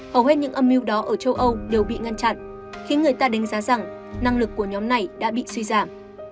hầu hết những âm mưu đó ở châu âu đều bị ngăn chặn khiến người ta đánh giá rằng năng lực của nhóm này đã bị suy giảm